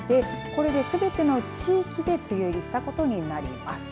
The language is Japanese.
これで、すべての地域で梅雨入りしたことになります。